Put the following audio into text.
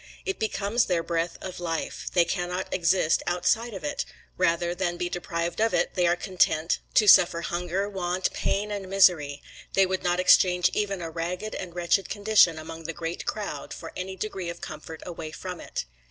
It becomes their breath of life; they cannot exist outside of it; rather than be deprived of it they are content to suffer hunger, want, pain, and misery; they would not exchange even a ragged and wretched condition among the great crowd for any degree of comfort away from it.